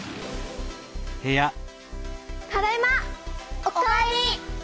ただいま！お帰り！